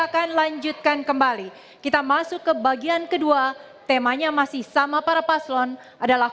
akan lanjutkan kembali kita masuk ke bagian kedua temanya masih sama para paslon adalah